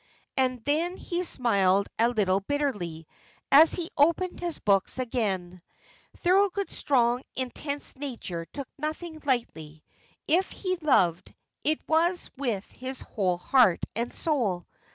And then he smiled a little bitterly, as he opened his books again. Thorold's strong, intense nature took nothing lightly. If he loved, it was with his whole heart and soul.